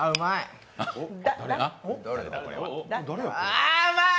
ああ、うまい。